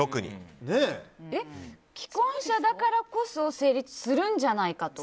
既婚者だからこそ成立するんじゃないかと。